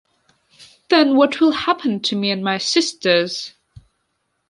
Then what will happen to me and my sisters?